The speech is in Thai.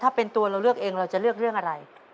ถ้าเป็นตัวเราเลือกเองเราจะเลือกเรื่องอะไร